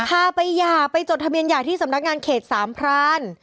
พาไปหย่าไปจดทะเบียนหย่าที่สำนักงานเขตสามพราน